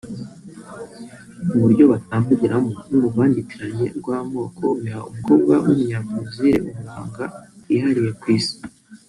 uburyo batambagiramo n’uruvangitiranye rw’amoko biha umukobwa w’Umunyabrezil uburanga bwihariye ku Isi